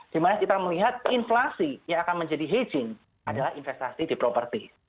dimana kita melihat inflasi yang akan menjadi hedging adalah investasi di properti